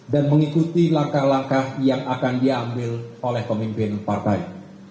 dan mengikuti langkah langkah yang akan diambil oleh pemimpin partai